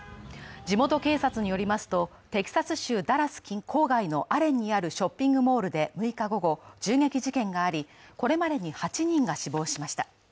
地元警察によりますとテキサス州ダラス郊外のアレンにあるショッピングモールで６日午後、銃撃事件がありこれまでに８人が死亡しました。